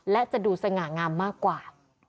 และจะดูสง่างามมากกว่า